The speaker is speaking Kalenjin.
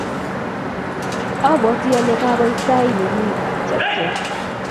abwatii ale kakoit sait nenyune apcheikei.